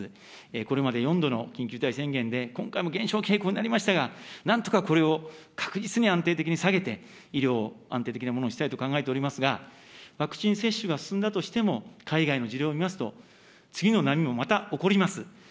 これまで４度の緊急事態宣言で、今回も減少傾向になりましたが、なんとかこれを確実に安定的に下げて、医療を安定的なものにしたいと考えておりますが、ワクチン接種が進んだとしても、海外の事例を見ますと、次の波もまた起こります。